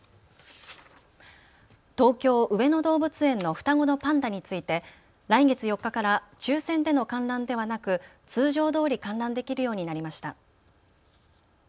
東京上野動物園の双子のパンダについて来月４日から抽選での観覧ではなく通常どおり観覧できるようになりました。